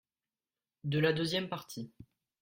de la deuxième partie.